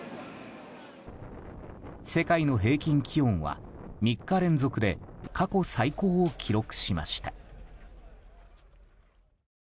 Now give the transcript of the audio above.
世界の平均気温は３日連続で過去最高を記録しました。